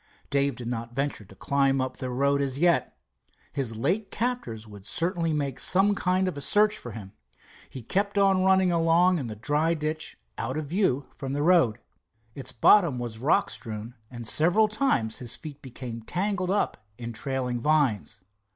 Dave did not venture to climb up to the road as yet. His late captors would certainly make some kind of a search for him. He kept on running along in the dry ditch, out of view from the road. Its bottom was rock strewn, and several times his feet became tangled up in trailing vines.